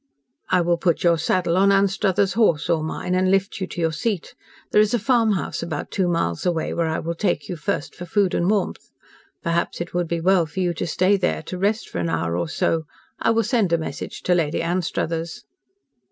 "I will put your saddle on Anstruthers' horse, or mine, and lift you to your seat. There is a farmhouse about two miles away, where I will take you first for food and warmth. Perhaps it would be well for you to stay there to rest for an hour or so, and I will send a message to Lady Anstruthers."